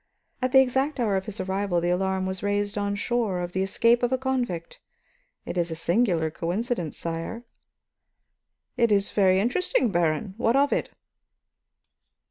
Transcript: At the exact hour of his arrival, the alarm was raised on shore of the escape of a convict. It is a singular coincidence, sire." "It is very uninteresting, Baron. What of it?"